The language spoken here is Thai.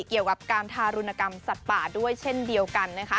เกี่ยวกับการทารุณกรรมสัตว์ป่าด้วยเช่นเดียวกันนะคะ